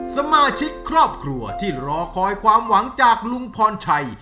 สมาชิกครอบครัวที่รอคอยความหวังจากลุงพรชัย